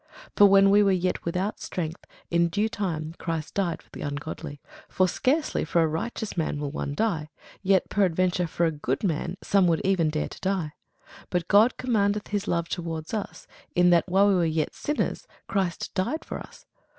For when we were yet without strength, in due time Christ died for the ungodly. For scarcely for a righteous man will one die: yet peradventure for a good man some would even dare to die. But God commendeth his love toward us, in that, while we were yet sinners, Christ died for us.